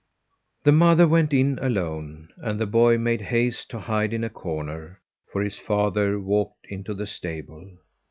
The mother went in alone, and the boy made haste to hide in a corner, for his father walked into the stable.